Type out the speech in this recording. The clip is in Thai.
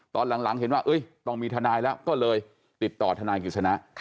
ตอนหลังเห็นว่าต้องมีทนายแล้วก็เลยติดต่อทนายกิจชนะ